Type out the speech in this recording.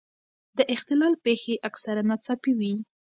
د اختلال پېښې اکثره ناڅاپي وي.